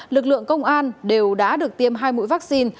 lực lượng công an đều đã được tiêm hai mũi vaccine